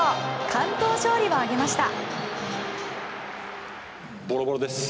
完投勝利を挙げました。